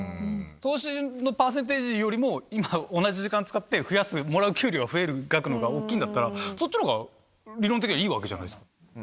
投資のパーセンテージよりも今同じ時間使って給料増える額のほうが大きいんだったら、そっちのほうが理論的にはいいわけじゃないですか。